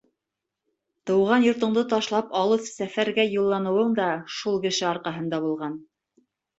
Тыуған йортондо ташлап алыҫ сәфәргә юлланыуың да шул кеше арҡаһында булған.